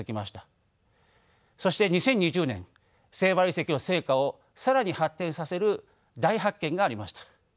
そして２０２０年セイバル遺跡の成果を更に発展させる大発見がありました。